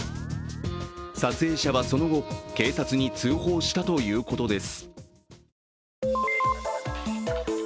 撮影者はその後、警察に通報したということです。